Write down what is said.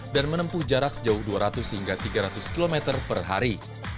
dan menempuh jarak sejauh dua ratus hingga tiga ratus km per hari